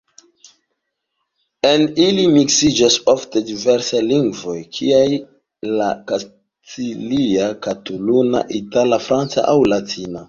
En ili miksiĝas ofte diversaj lingvoj kiaj la kastilia, kataluna, itala, franca aŭ latina.